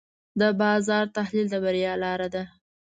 د بازار تحلیل د بریا لاره ده.